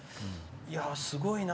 いや、すごいな。